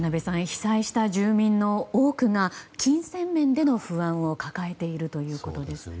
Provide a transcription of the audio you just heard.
被災した住民の多くが金銭面での不安を抱えているということです。